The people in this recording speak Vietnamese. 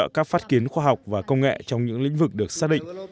để hỗ trợ các phát kiến khoa học và công nghệ trong những lĩnh vực được xác định